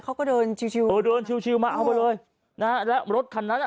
เขาก็เดินชิวเออเดินชิวมาเอาไปเลยนะฮะและรถคันนั้นอ่ะ